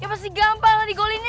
ya pasti gampang tadi goal innya